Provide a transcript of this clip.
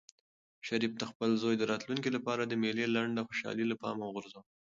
شریف د خپل زوی د راتلونکي لپاره د مېلې لنډه خوشحالي له پامه وغورځوله.